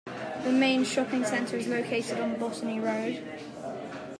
The main shopping centre is located on Botany Road.